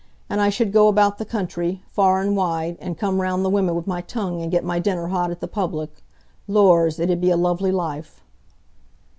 An' I should go about the country far an' wide, an' come round the women wi' my tongue, an' get my dinner hot at the public,—lors! it 'ud be a lovely life!"